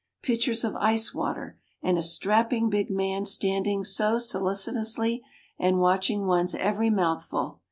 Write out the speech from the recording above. Pitchers of ice water and a strapping big man standing so solicitously and watching one's every mouthful.